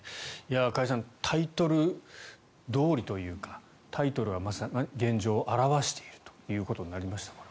加谷さんタイトルどおりというかタイトルは現状を表しているということになりました。